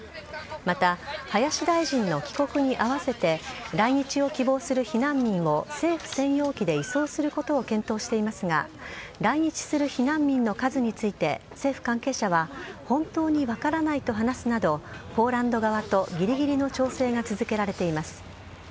また、林大臣の帰国に合わせて来日を希望する避難民を政府専用機で移送することを検討していますが来日する避難民の数について政府関係者は本当に分からないと話すなどポーランド側とぎりぎりの調整が続けられています。